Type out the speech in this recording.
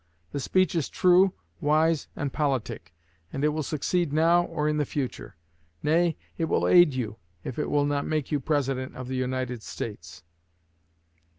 The speech is true, wise, and politic, and will succeed now or in the future. Nay, it will aid you, if it will not make you President of the United States.'